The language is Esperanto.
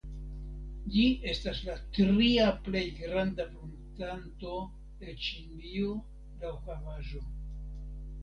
Ĝi estas la tria plej granda pruntanto el Ĉinio laŭ havaĵo.